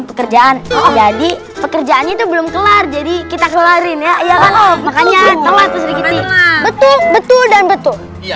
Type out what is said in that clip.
pekerjaan jadi pekerjaan itu belum kelar jadi kita kelarin ya makanya betul betul dan betul